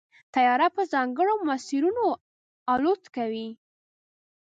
طیاره په ځانګړو مسیرونو الوت کوي.